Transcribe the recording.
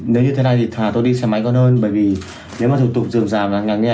nếu như thế này thì thà tôi đi xe máy còn hơn bởi vì nếu mà thực tục dườm dà và ngẳng nhà